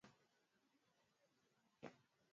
kwamba ulinywa sherbet ya cherry ikiwa Mturuki atakuwa